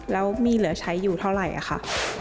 แล้วมีเหลือใช้อยู่เท่าไหร่ค่ะ